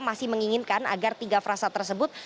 masih menginginkan agar tiga frasa tersebut